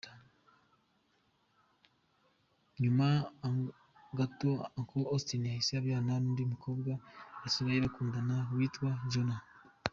Nyuma gato Uncle Austin yahise abyarana n’undi mukobwa basigaye bakundana witwa Joannah.